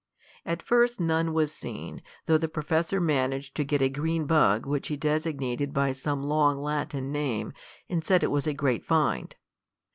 At first none was seen, though the professor managed to get a green bug which he designated by some long Latin name, and said it was a great find.